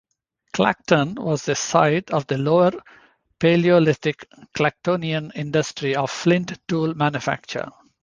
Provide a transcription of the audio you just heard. Clacton was a site of the lower Palaeolithic Clactonian industry of flint tool manufacture.